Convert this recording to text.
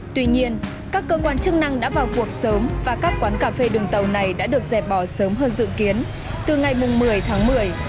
tuy nhiên các cơ quan chức năng đã vào cuộc sớm và các quán cà phê đường tàu này đã được dẹp bỏ sớm hơn dự kiến từ ngày một mươi tháng một mươi